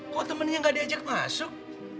kok temennya gak diajak masuk